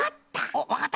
おっわかった？